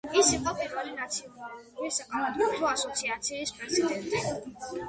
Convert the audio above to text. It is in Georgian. ის იყო პირველი ნაციონალური საკალათბურთო ასოციაციის პრეზიდენტი.